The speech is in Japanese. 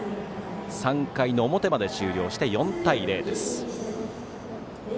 ３回の表まで終了して、４対０。